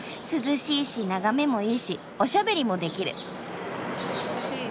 涼しいし眺めもいいしおしゃべりもできる。